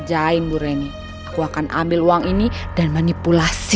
tapi di tempat itu sama tempat